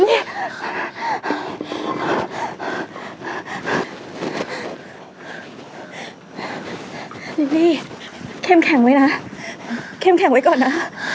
นี่เข้มแข็งไว้นะเข้มแข็งไว้ก่อนนะ